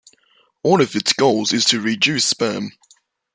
One of its goals is to reduce spam.